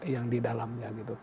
yang di dalamnya